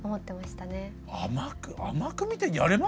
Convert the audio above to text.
甘く見てやれます？